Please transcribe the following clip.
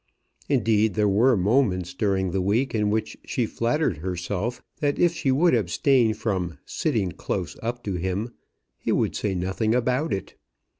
Indeed there were moments during the week in which she flattered herself that if she would abstain from "sitting close up to him," he would say nothing about it.